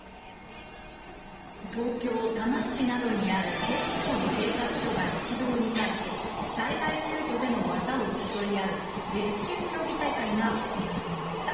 東京・多摩市などにある警視庁の警察署が一堂に会し、災害救助での技を競い合う、レスキュー競技大会が行われました。